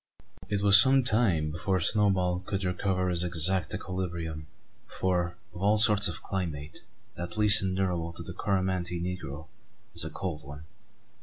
It was some time before Snowball could recover his exact equilibrium; for, of all sorts of climate, that least endurable to the Coromantee negro is a cold one.